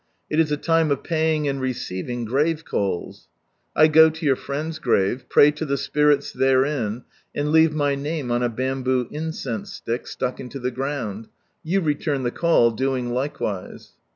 It is a time of paying and re ceiving grave calls. I go to your friend's grave, pray to the spirits therein, and leave ray name on a bamboo incense stick, stuck into the ground. You return (he call, doing likewise.